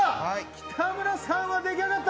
北村さんは出来上がった。